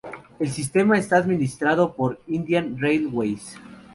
El sistema está administrado por Indian Railways.